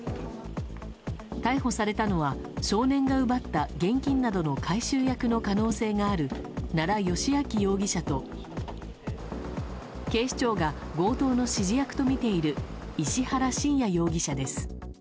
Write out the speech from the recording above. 逮捕されたのは少年が奪った現金などの回収役の可能性がある奈良幸晃容疑者と警視庁が強盗の指示役とみている石原信也容疑者です。